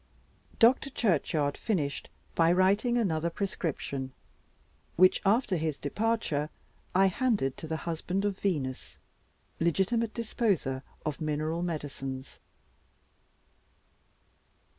Dr. Churchyard finished by writing another prescription, which, after his departure, I handed to the husband of Venus, legitimate disposer of mineral medicines.